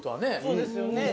そうですよね。